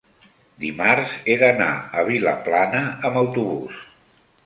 dimarts he d'anar a Vilaplana amb autobús.